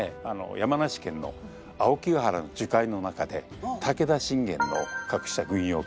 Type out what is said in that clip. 山梨県の青木ヶ原の樹海の中で武田信玄の隠した軍用金